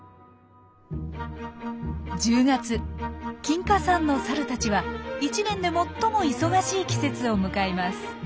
金華山のサルたちは１年で最も忙しい季節を迎えます。